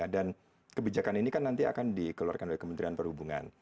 dan kebijakan ini nanti akan dikeluarkan oleh kementerian perhubungan